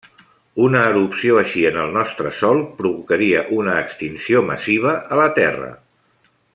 Una erupció així en el nostre Sol provocaria una extinció massiva a la Terra.